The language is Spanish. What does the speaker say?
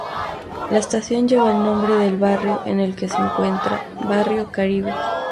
La Estación lleva el nombre del barrio en el que se encuentra: Barrio Caribe.